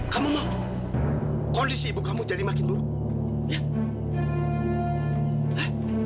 kamu mau kondisi ibu kamu jadi makin buruk